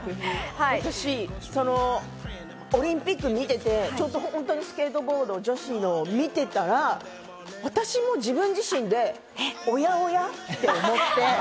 私、オリンピック見てて、スケートボード女子を見てたら、私も自分自身でおやおや？って思って。